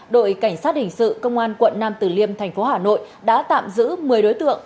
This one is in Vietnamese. đội cảnh sát hình sự công an quận nam tử liêm thành phố hà nội đã tạm giữ một mươi đối tượng